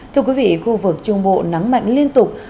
thưa quý vị khu vực trung bộ nắng mạnh liên tục